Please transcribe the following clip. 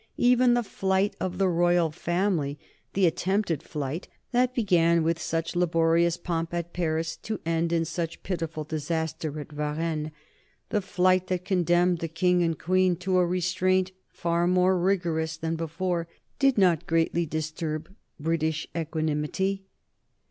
Even the flight of the Royal Family, the attempted flight that began with such laborious pomp at Paris to end in such pitiful disaster at Varennes, the flight that condemned the King and Queen to a restraint far more rigorous than before, did not greatly disturb British equanimity.